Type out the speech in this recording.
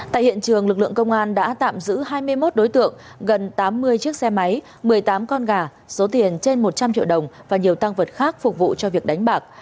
tại hiện trường lực lượng công an đã tạm giữ hai mươi một đối tượng gần tám mươi chiếc xe máy một mươi tám con gà số tiền trên một trăm linh triệu đồng và nhiều tăng vật khác phục vụ cho việc đánh bạc